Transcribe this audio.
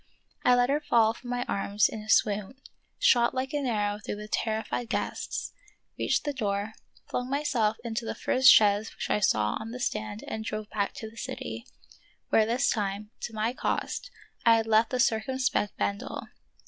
I let her fall from my arms in a swoon, shot like an arrow through the terrified guests, reached the door, flung myself into the first chaise which I saw on the stand and drove back to the city, where this time, to my cost, I had left the cir of Peter Schlemihl, 33 cumspect Bendel.